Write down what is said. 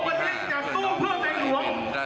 ผมวันนี้จะสู้เพื่อเป็นหลวงจะสู้เพื่อโครงจักรดีของพวกเรา